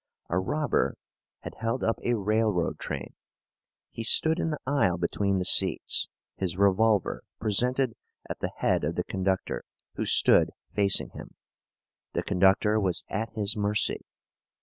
A robber had held up a railroad train. He stood in the aisle between the seats, his revolver presented at the head of the conductor, who stood facing him. The conductor was at his mercy.